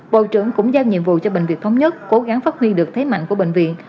bộ trưởng cũng giao nhiệm vụ cho bệnh viện thống nhất cố gắng phát huy được thế mạnh của bệnh viện